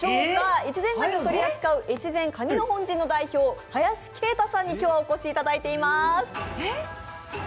越前がにを取り扱う越前蟹の本陣の大将、林慶太さんに今日はお越しいただいてます。